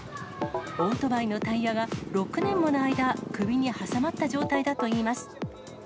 オートバイのタイヤが６年もの間、首に挟まった状態だといいます。